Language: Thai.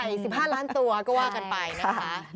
๑๕ล้านตัวก็ว่ากันไปนะคะ